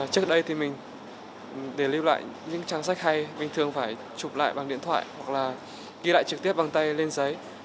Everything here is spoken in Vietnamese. trước đây thì mình để lưu lại những trang sách hay bình thường phải chụp lại bằng điện thoại hoặc là ghi lại trực tiếp bằng tay lên giấy